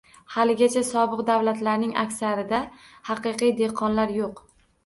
Haligacha sobiq davlatlarining aksarida haqiqiy dexqonlar yoʻq.